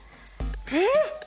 えっ！